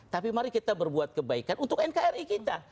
tapi mari kita berbuat kebaikan untuk nkri kita